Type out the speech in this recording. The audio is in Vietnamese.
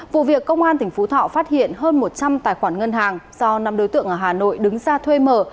vụ việc công an tỉnh phú thọ phát hiện hơn một trăm linh tài khoản ngân hàng do năm đối tượng ở hà nội đứng ra thuê mở